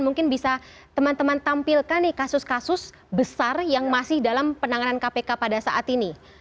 mungkin bisa teman teman tampilkan nih kasus kasus besar yang masih dalam penanganan kpk pada saat ini